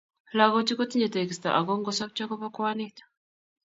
Lagochu kotinyei tegisto ako ngosobcho kobo kwanit